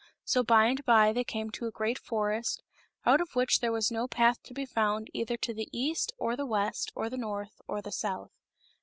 So by and by they came to a great forest, out of which there was no path to be found either to the east or the west or the north or the south.